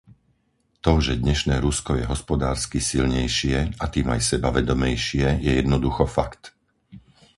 To, že dnešné Rusko je hospodársky silnejšie, a tým aj sebavedomejšie, je jednoducho fakt.